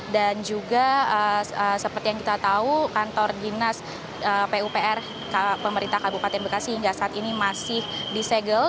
dan juga seperti yang kita tahu kantor dinas pupr pemerintah kabupaten bekasi hingga saat ini masih disegel